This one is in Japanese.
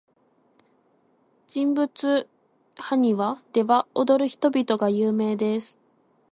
人物埴輪では、踊る人々が有名です。